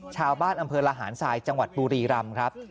ชาวบ้านอำเภอระหารทรายจังหวัดบุรีรำครับ